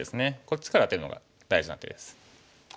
こっちからアテるのが大事な手です。